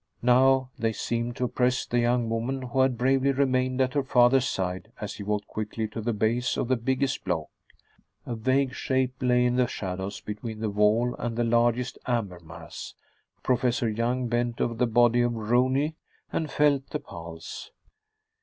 Now, they seemed to oppress the young woman, who had bravely remained at her father's side as he walked quickly to the base of the biggest block. A vague shape lay in the shadows between the wall and the largest amber mass. Professor Young bent over the body of Rooney, and felt the pulse.